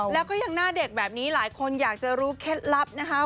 แล้วก็ยังหน้าเด็กแบบนี้หลายคนอยากจะรู้เคล็ดลับนะคะ